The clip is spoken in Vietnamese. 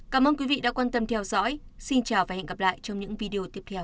cảm ơn quý vị đã quan tâm theo dõi xin chào và hẹn gặp lại trong những video tiếp theo